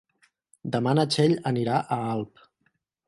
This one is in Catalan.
Demà na Txell anirà a Alp.